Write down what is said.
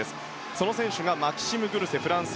その選手がマキシム・グルセフランス。